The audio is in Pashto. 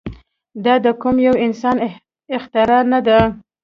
دا د کوم يوه انسان اختراع نه ده.